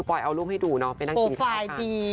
โปรไฟล์ดี